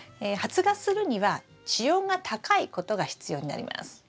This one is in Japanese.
発芽するには地温が高いことが必要になります。